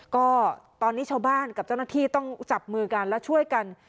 ก็ตอนนี้ชาวบ้านกับเจ้าหน้าที่ต้องจับมือกันและช่วยกัน